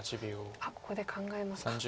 ここで考えますか。